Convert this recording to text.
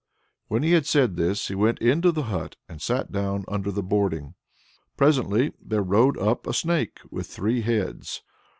When he had said this he went into the hut and sat down under the boarding. Presently there rode up a Snake with three heads.